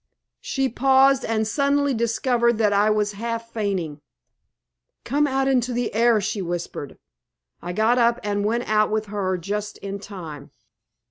She paused, and suddenly discovered that I was half fainting. "Come out into the air," she whispered. I got up and went out with her just in time.